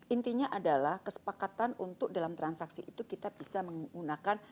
intinya adalah kesepakatan untuk dalam transaksi itu kita bisa menggunakan